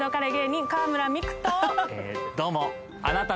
どうも。